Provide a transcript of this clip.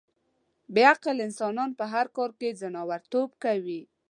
بې عقل انسانان په هر کار کې ځناورتوب کوي.